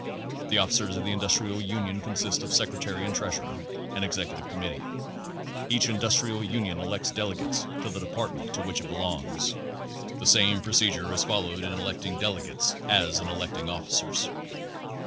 The officers of the Industrial Unions consist of sec retary and treasurer, and executive committee. Each Industrial Union elects delegates to the Department to which it belongs. The same procedure is followed in electing delegates as in electing officers.